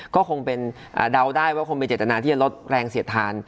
ก็คงเป็นเดาได้ว่าคงมีเจตนาที่จะลดแรงเสียดทาน